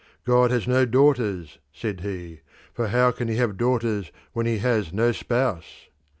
"God has no daughters," said he, "for how can he have daughters when he has no spouse?